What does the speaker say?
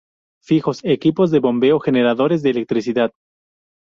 Fijos: Equipos de bombeo, generadores de electricidad.